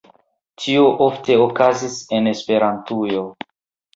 Tio ofte okazis en Esperantujo.